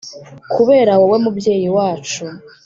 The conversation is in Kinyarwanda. kubera wowe mubyeyi wacu